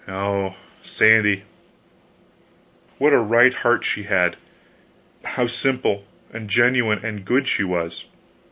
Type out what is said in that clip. Ah, Sandy, what a right heart she had, how simple, and genuine, and good she was!